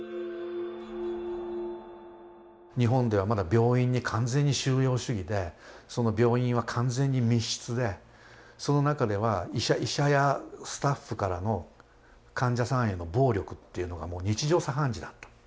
日本ではまだ病院に完全に収容主義でその病院は完全に密室でその中では医者やスタッフからの患者さんへの暴力っていうのがもう日常茶飯事だった。